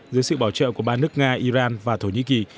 dưới sự bảo trợ của ba nước nga iran và thổ nhĩ kỳ